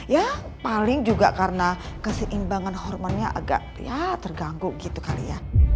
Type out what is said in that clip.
ya paling juga karena keseimbangan hormonnya agak ya terganggu gitu kali ya